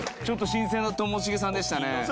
ちょっと新鮮なともしげさんでしたね。